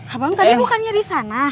abang tapi bukannya di sana